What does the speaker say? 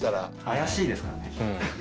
あやしいですからね。